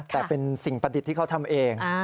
แต่เป็นสิ่งประดิษฐ์ที่เขาทำเอง